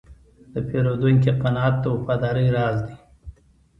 د پیرودونکي قناعت د وفادارۍ راز دی.